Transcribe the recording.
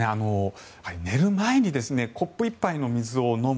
寝る前にコップ１杯の水を飲む。